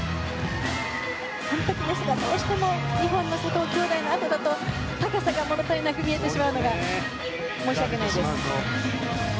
完璧ですがどうしても日本の佐藤姉弟のあとだと高さが物足りなく見えてしまうのが申し訳ないです。